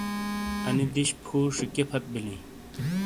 انی دِش پھُوشی کیئے پھت بیلیں؟